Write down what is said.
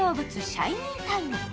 シャイニータイム。